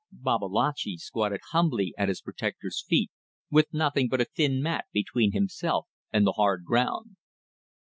Babalatchi squatted humbly at his protector's feet, with nothing but a thin mat between himself and the hard ground.